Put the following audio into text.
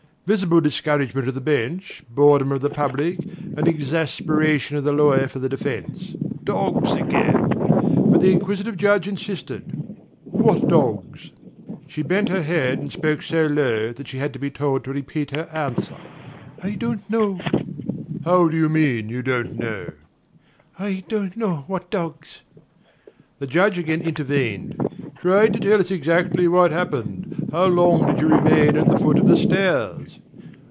(Visible discouragement of the bench, boredom of the public, and exasperation of the lawyer for the defense. Dogs again ! But the inquisitive Judge insisted.) "What dogs?" She bent her head and spoke so low that she had to be told to repeat her answer: "I don't know." "How do you mean you don't know?" "I don't know what dogs..." The Judge again intervened: "Try to tell us exactly what happened. How long did you remain at the foot of the stairs?"